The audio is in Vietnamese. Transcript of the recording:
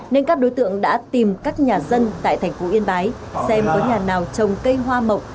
nên các đối tượng đã tìm các nhà dân tại thành phố yên bái xem có nhà nào trồng cây hoa mộc